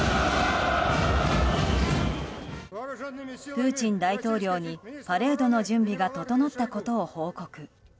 プーチン大統領にパレードの準備が整ったことを報告。